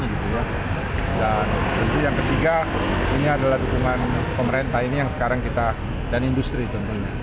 dan yang ketiga ini adalah dukungan pemerintah ini yang sekarang kita dan industri tentunya